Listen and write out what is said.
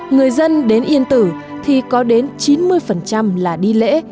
người dân đến yên tử thì có đến chín mươi là đi lễ